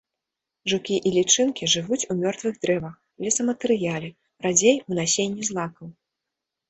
Жукі і лічынкі жывуць у мёртвых дрэвах, лесаматэрыяле, радзей у насенні злакаў.